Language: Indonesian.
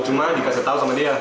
cuma dikasih tahu sama dia